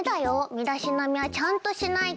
身だしなみはちゃんとしないと。